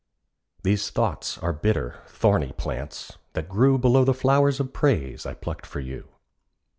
These thoughts are bitter—thorny plants, that grew Below the flowers of praise I plucked for you.